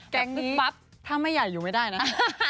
แกงนี้ถ้าไม่ใหญ่อยู่ไม่ได้นะ